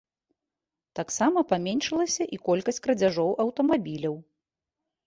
Таксама паменшылася і колькасць крадзяжоў аўтамабіляў.